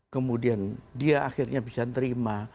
kemudian dia akhirnya bisa terima